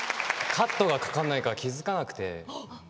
カットがかかんないから気付かなくて。